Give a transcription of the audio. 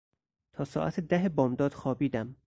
تا ساعت ده بامداد خوابیدم.